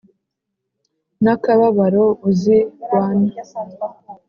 n'akababaro uzi wan